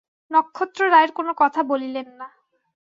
নক্ষত্ররায়ের কোনো কথা বলিলেন না।